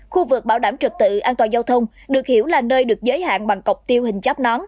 khu vực bảo đảm trực tự an toàn giao thông được hiểu là nơi được giới hạn bằng cọc tiêu hình chắp nón